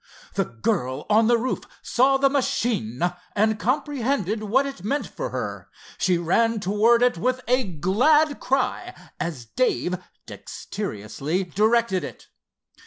The girl on the roof saw the machine, and comprehended what it meant for her. She ran towards it with a glad cry as Dave dexterously directed it.